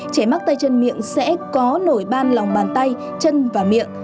trẻ mắc tay chân miệng sẽ có nổi ban lòng bàn tay chân và miệng